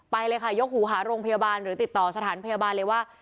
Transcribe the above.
ไปเลยค่ะยกหูหาโรงพยาบาลหรือติดต่อสถานพยาบาลเลยว่า